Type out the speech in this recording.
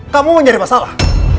kamu mencari masalah